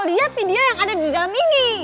lihat video yang ada di dalam ini